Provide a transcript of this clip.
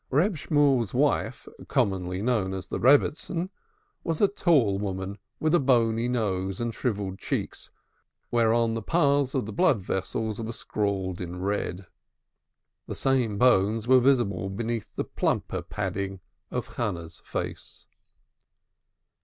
Reb Shemuel's wife, commonly known as the Rebbitzin, was a tall woman with a bony nose and shrivelled cheeks, whereon the paths of the blood vessels were scrawled in red. The same bones were visible beneath the plumper padding of Hannah's face.